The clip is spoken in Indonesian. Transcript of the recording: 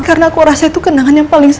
karena aku rasa itu kenangan yang paling